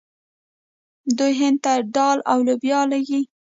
دوی هند ته دال او لوبیا لیږي.